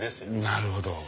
なるほど！